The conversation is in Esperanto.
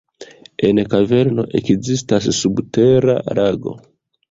En kaverno ekzistas subtera lago.